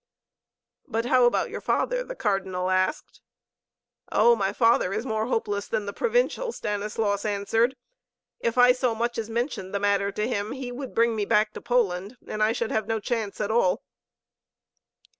"But how about your father?" the Cardinal asked. "Oh, my father is more hopeless than the Provincial," Stanislaus answered. "If I so much as mentioned the matter to him, he would bring me back to Poland, and I should have no chance at all."